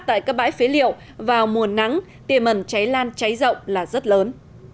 tại các bãi phế liệu vào mùa nắng tiềm ẩn cháy lan cháy rộng là rất lớn